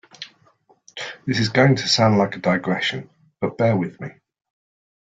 This is going to sound like a digression, but bear with me.